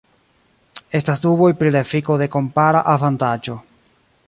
Estas duboj pri la efiko de kompara avantaĝo.